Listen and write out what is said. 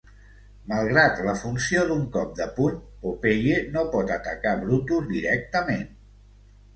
Malgrat la funció d'un cop de puny, Popeye no pot atacar Brutus directament.